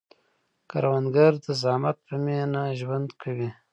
کروندګر د زحمت په مینه ژوند کوي